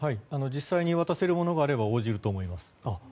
実際に渡せるものがあれば応じると思います。